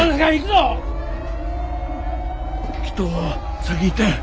きっと先行ったんや。